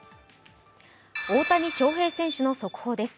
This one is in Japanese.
大谷翔平選手の速報です。